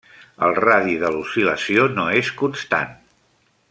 El radi de l'oscil·lació no és constant.